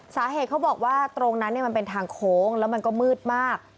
เขาบอกว่าตรงนั้นมันเป็นทางโค้งแล้วมันก็มืดมาก